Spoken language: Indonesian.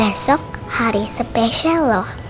besok hari spesial loh